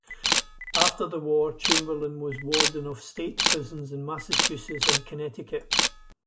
After the war, Chamberlain was warden of state prisons in Massachusetts and Connecticut.